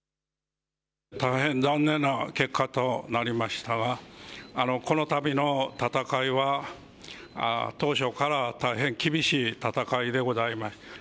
大変残念な結果となりましたが、このたびの戦いは、当初から大変厳しい戦いでございました。